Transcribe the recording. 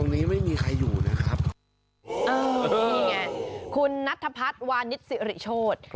นี่ไงคุณณัฐพัฒน์วานิสิริโชธ